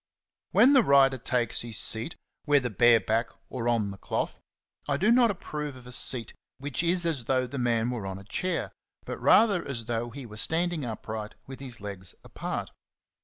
When the rider takes his seat, whether , a^^ mam CHAPTER VII. 41 bareback or on the cloth,^^ I do not approve of a seat which is as though the man were on a chair, but rather as though he were standing upright with his legs apart.